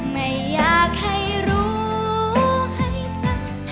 ไม่อยากให้รู้ให้ชัด